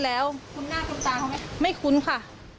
แล้วรู้ได้ไม่คุ้นค่ะ